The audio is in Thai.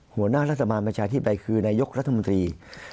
หัวหน้ารัฐบาลประชาธิปไตยคือนายกรัฐมนตรี